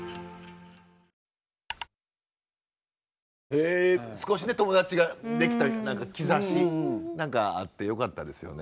へえ少し友達ができた兆し何かあってよかったですよね。